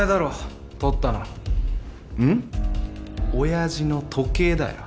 親父の時計だよ。